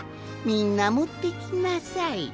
みんなもってきなさい。